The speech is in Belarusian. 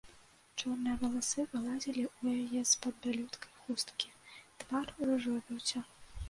Чорныя валасы вылазілі ў яе з-пад бялюткай хусткі, твар ружовіўся.